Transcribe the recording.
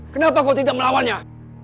kenapa kau tidak melawannya